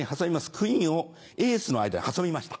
クイーンをエースの間に挟みました